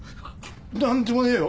なんでもねえよ。